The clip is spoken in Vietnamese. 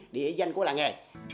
địa danh của là nghề